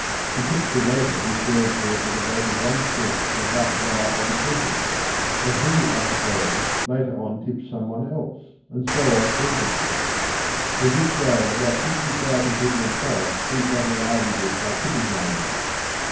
She tips the waiter who serves her at the rate of one cent per half hour of attendance, and he, I suppose, later on tips someone else, and so on endlessly. In this way about fifty thousand people in Paris eke out a livelihood by tipping one another.